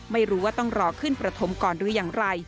ไม่รู้ว่าต้องรอขึ้นประถมก่อนหรืออย่างไร